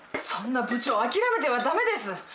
そんな部長諦めてはダメです！